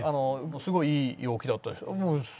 すごいいい陽気だったし。